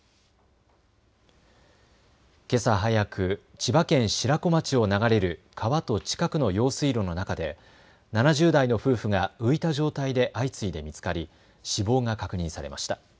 けさ早く、千葉県白子町を流れる川と近くの用水路の中で７０代の夫婦が浮いた状態で相次いで見つかり死亡が確認されました。